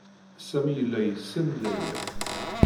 Sami yella yessen Layla.